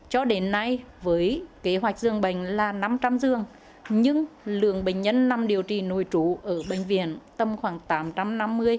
cho đến nay với kế hoạch dường bệnh là năm trăm linh dường nhưng lượng bệnh nhân nằm điều trị nội trú ở bệnh viện tầm khoảng tám trăm năm mươi đến khoảng hơn một người bệnh nằm điều trị nội trú